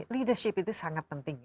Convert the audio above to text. leadership itu sangat penting